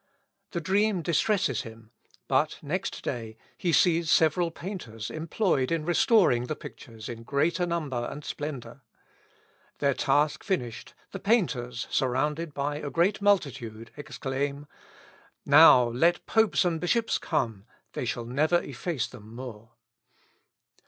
The dream distresses him, but next day he sees several painters employed in restoring the pictures in greater number and splendour. Their task finished, the painters, surrounded by a great multitude, exclaim, "Now, let popes and bishops come, they never shall efface them more."